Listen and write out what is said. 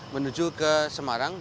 menuju ke semarang